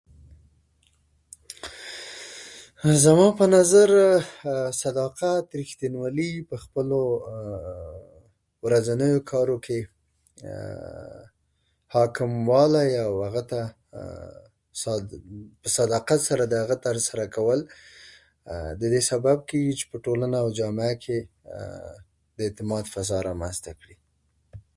زما په نظر، صداقت، رښتينولي په خپلو ورځنيو کارو کې حاکم والی او هغه ته… په صداقت سره د هغه سرته رسول د دې سبب کيږي چې په تولنه او جامعه کې د اعتماد فضا رامنځته کړي.